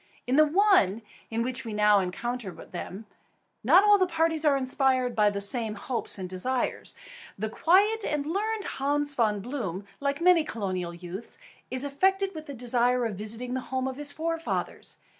In the one in which we now encounter them, not all the parties are inspired by the same hopes and desires. The quiet and learned Hans Von Bloom, like many colonial youths, is affected with the desire of visiting the home of his forefathers.